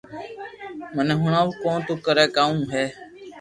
مني ھڻاو ڪو تو ڪري ڪاو ھي